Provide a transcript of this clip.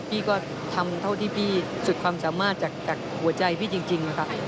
พี่ก็ทำเท่าที่พี่สุดความสามารถจากหัวใจพี่จริงนะครับ